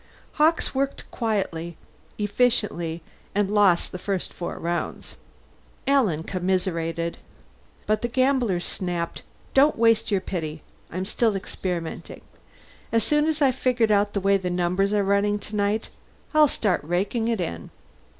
Hawkes worked quietly, efficiently, and lost the first four rounds. Alan commiserated. But the gambler snapped, "Don't waste your pity. I'm still experimenting. As soon as I've figured out the way the numbers are running tonight, I'll start raking it in."